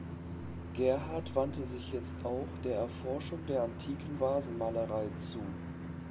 Gerhard wandte sich jetzt auch der Erforschung der antiken Vasenmalerei zu.